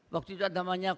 waktu itu ada namanya